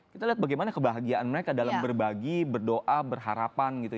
kita lihat bagaimana kebahagiaan mereka dalam berbagi berdoa berharapan gitu